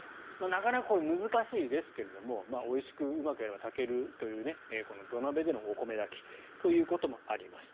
なかなか難しいですけどおいしくうまくやれば炊けるという土鍋でのお米炊きということもあります。